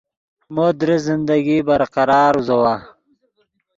مو درست زندگی برقرار اوزوّا